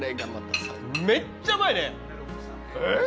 めっちゃうまいね。